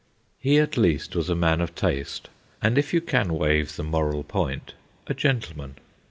He, at least, was a man of taste, and if you can waive the moral point, a gentleman.